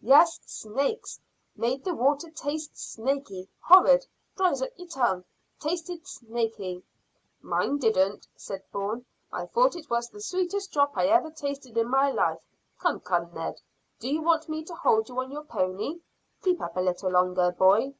"Yes, snakes. Made the water taste snaky. Horrid! Dries up your tongue. Tasted snaky." "Mine didn't," said Bourne. "I thought it was the sweetest drop I ever tasted in my life. Come, come, Ned; do you want me to hold you on your pony? Keep up a little longer, boy."